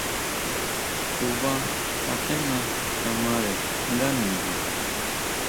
Tubá aténa kamare ndá ningu.